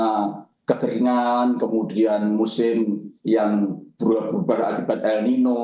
karena kekeringan kemudian musim yang berubah berubah akibat el nino